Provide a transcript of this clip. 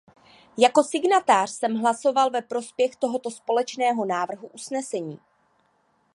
Jako signatář jsem hlasoval ve prospěch tohoto společného návrhu usnesení.